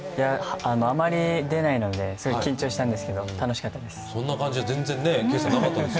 あまり出ないのですごい緊張したんですけど楽しかったです。